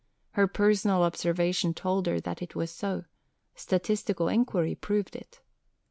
Her personal observation told her that it was so; statistical inquiry proved it.